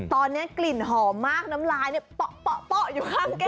ตอนนี้กลิ่นหอมมากน้ำลายเนี่ยเปาะอยู่ข้างแก้